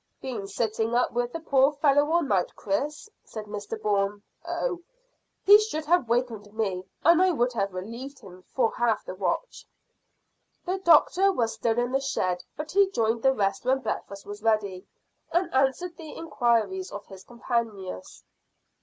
"Been sitting up with the poor fellow all night, Chris?" said Mr Bourne. "Oh, he should have wakened me, and I would have relieved him for half the watch." The doctor was still in the shed, but he joined the rest when breakfast was ready, and answered the inquiries of his companions.